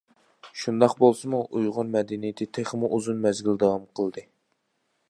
شۇنداق بولسىمۇ ئۇيغۇر مەدەنىيىتى تېخىمۇ ئۇزۇن مەزگىل داۋام قىلدى.